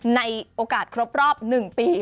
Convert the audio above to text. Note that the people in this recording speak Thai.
ในโอกาสครบ๑ปี